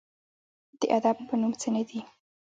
د ادب په نوم څه نه دي